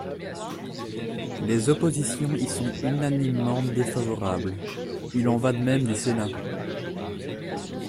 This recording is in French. Les oppositions y sont unanimement défavorables ; il en va de même du Sénat.